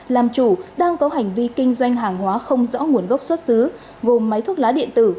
làm chủ đang có hành vi kinh doanh hàng hóa không rõ nguồn gốc xuất xứ gồm máy thuốc lá điện tử